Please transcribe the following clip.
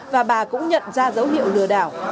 và bà cũng nhận ra dấu hiệu lừa đảo